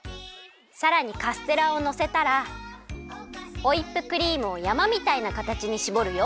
さらにカステラをのせたらホイップクリームをやまみたいなかたちにしぼるよ。